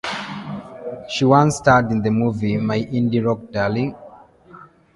She once starred in the movie "My Indie Rock Darling".